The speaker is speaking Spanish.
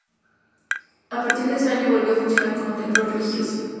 A partir de ese año, volvió a funcionar como templo religioso.